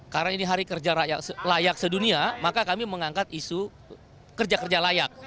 karena ini hari kerja layak sedunia maka kami mengangkat isu kerja kerja layak